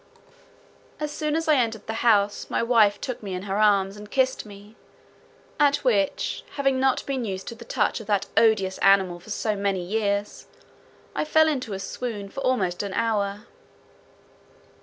As soon as I entered the house, my wife took me in her arms, and kissed me; at which, having not been used to the touch of that odious animal for so many years, I fell into a swoon for almost an hour.